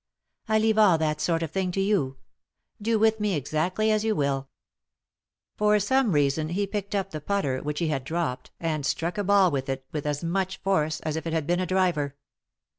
" I leave all that sort of thing to you. Do with me exactly as you will." For some reason he picked up the putter which he had dropped and struck a ball with it with as much force as if it bad been a driver.